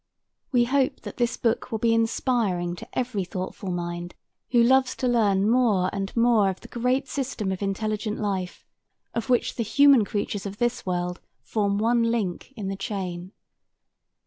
We hope that this book will be inspiring to every thoughtful mind who loves to learn more and more of the great system of intelligent life of which the human creatures of this world form one link in the chain.